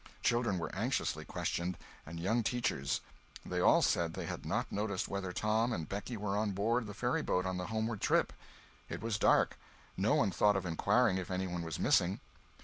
Children were anxiously questioned, and young teachers. They all said they had not noticed whether Tom and Becky were on board the ferryboat on the homeward trip; it was dark; no one thought of inquiring if any one was missing.